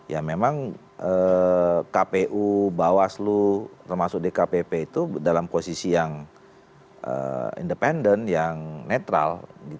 ya memang kpu bawaslu termasuk dkpp itu dalam posisi yang independen yang netral